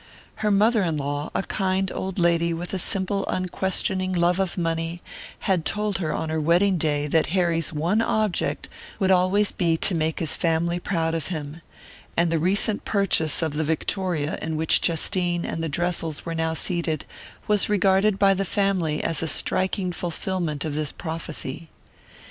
Her mother in law, a kind old lady with a simple unquestioning love of money, had told her on her wedding day that Harry's one object would always be to make his family proud of him; and the recent purchase of the victoria in which Justine and the Dressels were now seated was regarded by the family as a striking fulfillment of this prophecy.